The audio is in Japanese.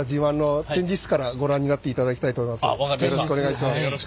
よろしくお願いします。